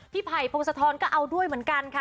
พี่ภัยโพงสะท้อนก็เอาด้วยเหมือนกันค่ะ